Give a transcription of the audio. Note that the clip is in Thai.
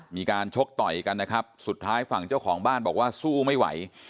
ชกต่อยกันนะครับสุดท้ายฝั่งเจ้าของบ้านบอกว่าสู้ไม่ไหว